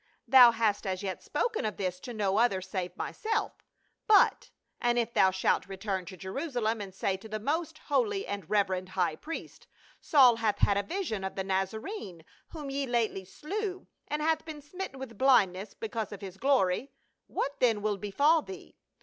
Thou hast as yet spoken of this to no other save myself; but and if thou shalt return to Jerusalem and say to the most holy and reverend high priest, Saul hath had a vision of the Nazarene whom ye lately slew, and hath been smitten with blindness because of his glory, what then will befall thee